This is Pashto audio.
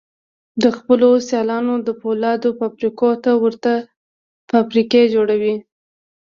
د خپلو سيالانو د پولادو فابريکو ته ورته فابريکې جوړوي.